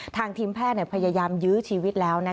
ทีมแพทย์พยายามยื้อชีวิตแล้ว